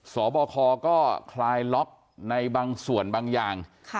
สอบคอก็คลายล็อกในบางส่วนบางอย่าง